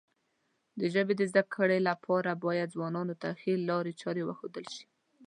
د ژبې د زده کړې لپاره باید ځوانانو ته ښې لارې چارې وښودل شي.